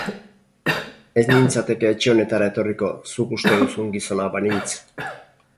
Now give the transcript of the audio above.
Ez nintzateke etxe honetara etorriko zuk uste duzun gizona banintz.